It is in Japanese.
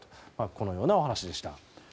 このようなお話でした。